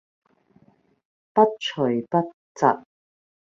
不徐不疾